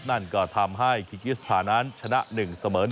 นั่นก็ทำให้คิกิสถานนั้นชนะ๑เสมอ๑